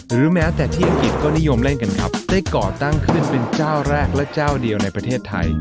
แม้แต่ที่อังกฤษก็นิยมเล่นกันครับได้ก่อตั้งขึ้นเป็นเจ้าแรกและเจ้าเดียวในประเทศไทย